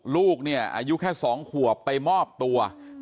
ลูกอายุแค่๒ขวบไปมอบตัว